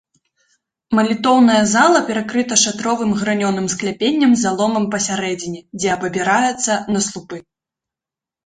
Малітоўная зала перакрыта шатровым гранёным скляпеннем з заломам пасярэдзіне, дзе абапіраецца на слупы.